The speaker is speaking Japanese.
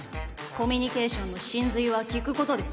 コミュニケーションの真髄は聴くことです